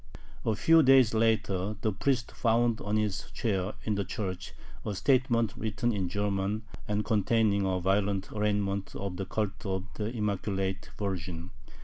A few days later the priest found on his chair in the church a statement written in German and containing a violent arraignment of the cult of the Immaculate Virgin.